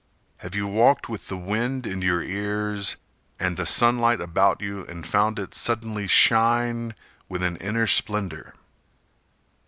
Have you walked with the wind in your ears And the sunlight about you And found it suddenly shine with an inner splendor?